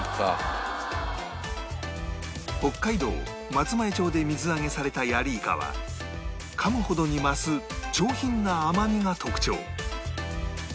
北海道松前町で水揚げされたやりいかはかむほどに増す上品な甘みが特徴